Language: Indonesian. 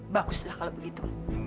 baguslah kalau begitu